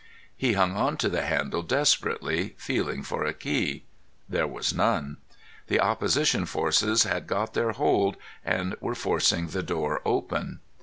He hung on to the handle desperately, feeling for a key. There was none. The opposition forces had got their hold, and were forcing the door open.